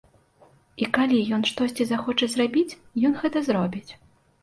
І калі ён штосьці захоча зрабіць, ён гэта зробіць.